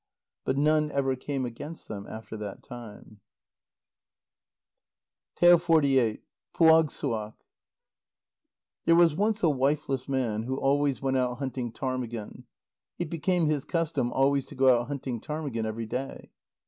But none ever came against them after that time. PUAGSSUAQ There was once a wifeless man who always went out hunting ptarmigan. It became his custom always to go out hunting ptarmigan every day.